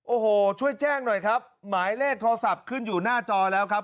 โอ้โหช่วยแจ้งหน่อยครับหมายเลขโทรศัพท์ขึ้นอยู่หน้าจอแล้วครับ